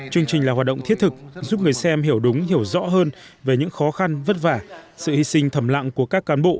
chương trình là hoạt động thiết thực giúp người xem hiểu đúng hiểu rõ hơn về những khó khăn vất vả sự hy sinh thầm lặng của các cán bộ